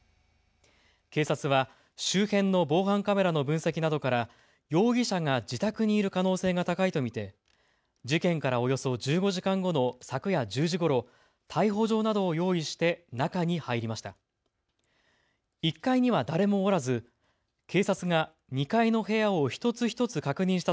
警察は周辺の防犯カメラの分析などから容疑者が自宅にいる可能性が高いと見て事件からおよそ１５時間後の昨夜１０時ごろ、逮捕状などを用意して中に入りました。